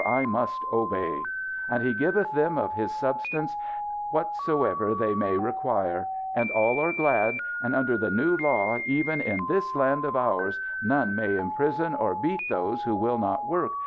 For I must obey!' And he giveth them, of his substance, whatsoever they may require. And all are glad. And under the new law, even in this land of ours, none may imprison or beat those who will not work.